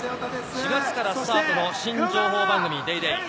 ４月からスタートの新情報番組『ＤａｙＤａｙ．』。